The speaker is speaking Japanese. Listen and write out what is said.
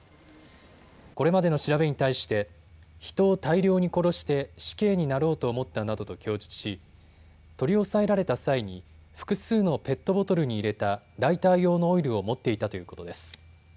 これまでの調べに対して人を大量に殺して死刑になろうと思ったなどと供述し取り押さえられた際に複数のペットボトルに入れたライター用のオイルを持っていたということです。